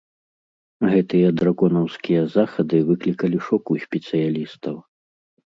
Гэтыя драконаўскія захады выклікалі шок у спецыялістаў.